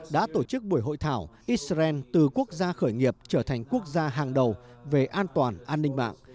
đã tổ chức buổi hội thảo israel từ quốc gia khởi nghiệp trở thành quốc gia hàng đầu về an toàn an ninh mạng